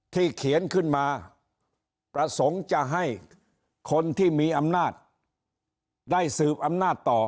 เขียนขึ้นมาประสงค์จะให้คนที่มีอำนาจได้สืบอำนาจต่อ